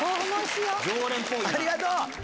ありがとう。